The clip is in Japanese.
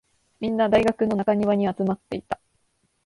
みんな、大学の中庭に集まっていた。